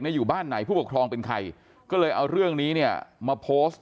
อยู่บ้านไหนผู้ปกครองเป็นใครก็เลยเอาเรื่องนี้เนี่ยมาโพสต์